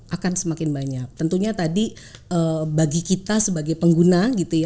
akan semakin banyak tentunya tadi bagi kita sebagai pengguna gitu ya